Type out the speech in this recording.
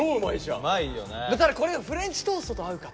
ただこれがフレンチトーストと合うか。